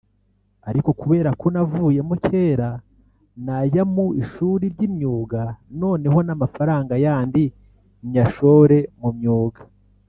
Ariko kuberako navuyemo kera nzajya mu ishuri ry’imyuga noneho n’amafaranga yandi nyashore mu myuga